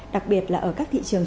đặc biệt là ở các thị trường